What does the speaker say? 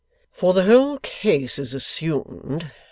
For the whole case is assumed.